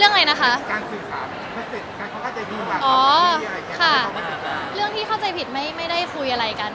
อเรนนี่ก็ข้อใจผิดในเรื่องที่เขาไม่ได้คุยอะไรกัน